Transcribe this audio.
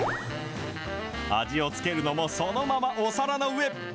味を付けるのもそのままお皿の上。